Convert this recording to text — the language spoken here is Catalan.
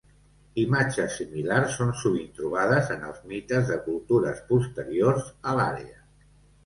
Imatges similars són sovint trobades en els mites de cultures posteriors a l'àrea.